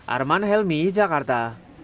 arman helmi jakarta